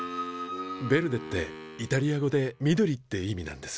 「ヴェルデ」ってイタリア語で「みどり」って意味なんです。